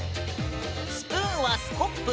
スプーンはスコップ。